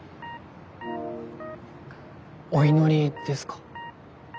お祈りですか？